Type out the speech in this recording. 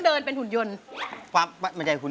ร้องได้ให้ร้อง